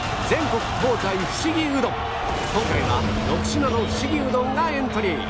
今回は６品のフシギうどんがエントリー